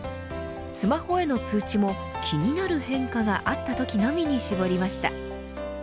スマホへの通知も気になる変化があったときのみに絞りました。